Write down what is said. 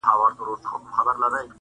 شیخه په خلکو به دې زر ځله ریا ووینم!.